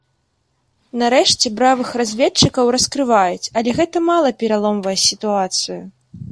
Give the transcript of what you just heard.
Нарэшце бравых разведчыкаў раскрываюць, але гэта мала пераломвае сітуацыю.